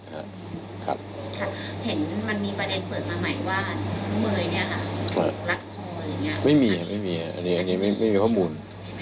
ค่ะเห็นมันมีประเด็นเปิดมาไหมว่าเมย์นี้หลักทรน์หรืออย่างงี้